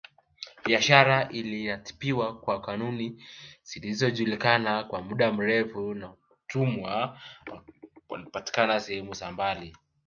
Biashara iliratibiwa kwa kanuni zilizojulikana kwa muda mrefu na watumwa walipatikana sehemu za mbali